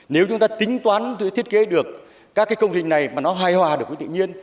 nếu chúng ta tính toán thiết kế được các cái công trình này mà nó hài hòa được với tự nhiên